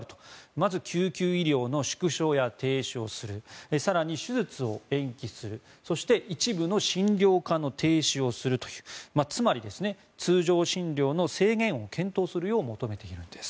まず、救急医療の縮小や停止をする更に、手術を延期するそして一部の診療科の停止をするというつまり、通常診療の制限を検討するよう求めているんです。